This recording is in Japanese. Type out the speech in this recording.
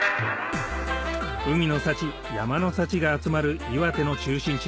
海の幸山の幸が集まる岩手の中心地